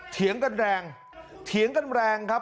เถียงกันแรงเถียงกันแรงครับ